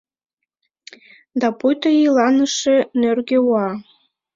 Да пуйто иланыше нӧргӧ уа.